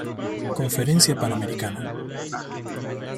Conferencia Panamericana.